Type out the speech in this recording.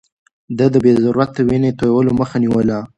ده د بې ضرورته وينې تويولو مخه نيوله.